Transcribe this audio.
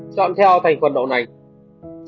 chọn theo thành phần đậu nành